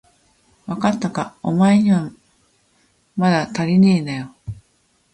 わかったか、おまえにはまだたりねえだよ。